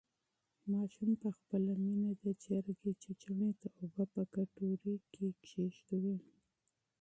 ماشوم په خپله مینه د چرګې بچیو ته اوبه په کټو کې کېښودې.